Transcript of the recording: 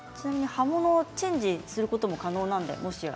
葉物をチェンジすることも可能ですよ。